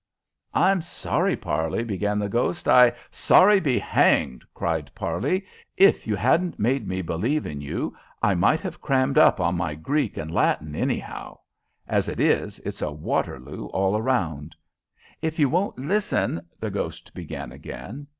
"I'm sorry, Parley," began the ghost. "I " "Sorry be hanged!" cried Parley. "If you hadn't made me believe in you, I might have crammed up on my Greek and Latin anyhow. As it is, it's a Waterloo all around." "If you won't listen " the ghost began again.